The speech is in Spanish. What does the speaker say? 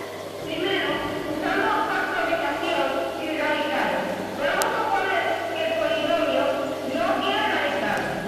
Primero, usando factorización sin radicales, podemos suponer que el polinomio no tiene radicales.